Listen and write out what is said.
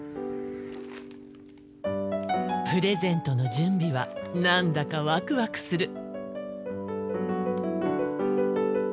プレゼントの準備は何だかワクワクする。